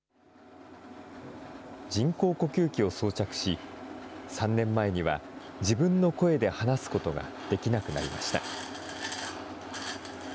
人工呼吸器を装着し、３年前には、自分の声で話すことができなくなりました。